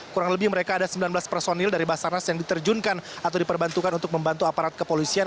kurang lebih mereka ada sembilan belas personil dari basarnas yang diterjunkan atau diperbantukan untuk membantu aparat kepolisian